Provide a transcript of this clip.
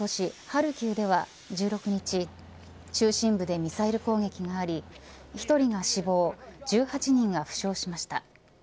ハルキウでは１６日中心部でミサイル攻撃があり１人が死亡１８人が負傷しました。